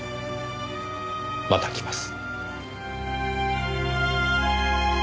また来ます。